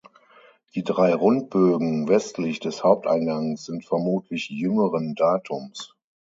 Die drei Rundbögen westlich des Haupteingangs sind vermutlich jüngeren Datums.